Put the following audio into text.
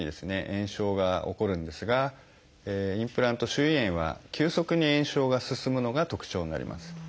炎症が起こるんですがインプラント周囲炎は急速に炎症が進むのが特徴になります。